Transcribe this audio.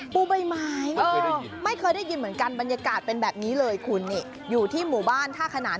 ปูใบไม้ไม่เคยได้ยินเหมือนกันบรรยากาศเป็นแบบนี้เลยคุณนี่อยู่ที่หมู่บ้านท่าขนาน